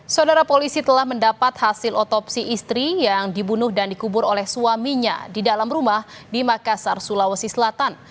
saudara polisi telah mendapat hasil otopsi istri yang dibunuh dan dikubur oleh suaminya di dalam rumah di makassar sulawesi selatan